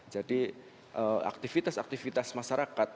jadi aktivitas aktivitas masyarakat